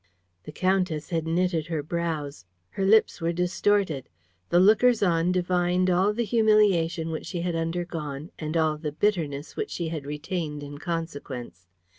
The countess had knitted her brows. Her lips were distorted. The lookers on divined all the humiliation which she had undergone and all the bitterness which she had retained in consequence.